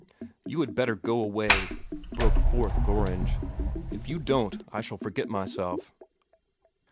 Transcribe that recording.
"You had better go away!" broke forth Gorringe. "If you don't, I shall forget myself."